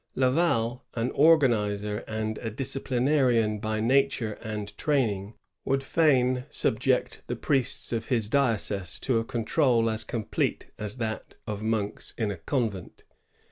Laval, an organizer and a disciplinarian by nature and training, would &in subject the priests of his diocese to a control as complete as that of monks in a convent.